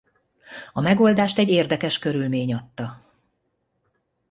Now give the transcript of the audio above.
A megoldást egy érdekes körülmény adta.